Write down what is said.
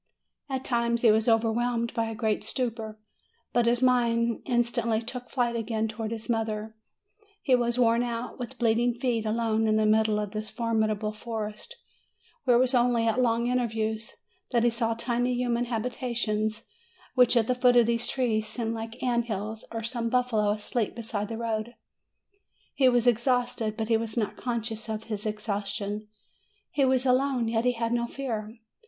At times he was overwhelmed by a great stupor. But his mind instantly took flight again towards his mother. He was worn out, with bleeding feet, alone in the middle of this formidable forest, where it was only at long intervals that he saw tiny human habita tions, which at the foot of these trees seemed like the ant hills, or some buffalo asleep beside the road; he was exhausted, but he was not conscious of his ex haustion; he was alone, yet he felt no fear.